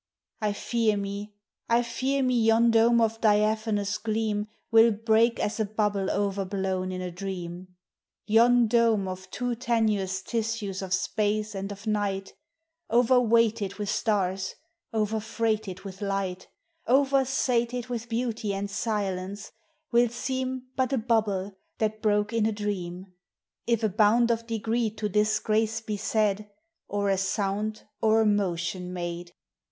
I fear me, I fear me yon dome of diaphanous gleam Will break as a bubble o'erblown in a dream, Yon dome of too tenuous tissues of space and of night, Overweighted with stars, overfreighted with light, Oversated with beauty and silence, will seem But a bubble that broke in a dream. If a bound of degree to this grace be said Or a sound or a motion made.'